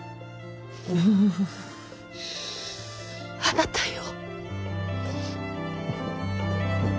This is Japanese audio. うう。あなたよ。